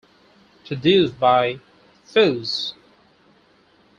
Produced by Phuzz!